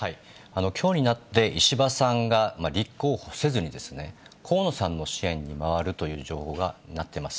きょうになって石破さんが立候補せずに、河野さんの支援に回るという情報になってます。